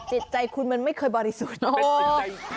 จิตใจคุณมันไม่เคยบริสุทธิ์ใจ